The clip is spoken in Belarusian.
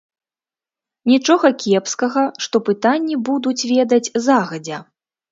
Нічога кепскага, што пытанні будуць ведаць загадзя.